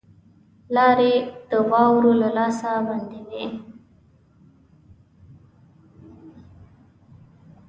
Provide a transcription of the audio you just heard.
لاري د واورو له لاسه بندي وې.